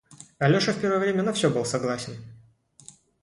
Алеша в первое время на всё был согласен.